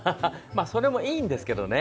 それもいいんですけどね